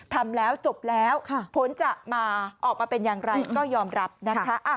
ทำแล้วจบแล้วผลจะมาออกมาเป็นอย่างไรก็ยอมรับนะคะ